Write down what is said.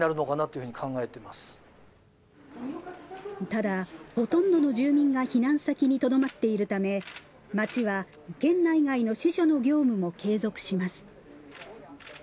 ただ、ほとんどの住民が避難先にとどまっているため町は県内外の支所の業務も継続します。